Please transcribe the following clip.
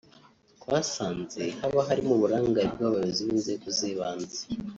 twasanze haba harimo uburangare bw’abayobozi b’inzego z’ibanze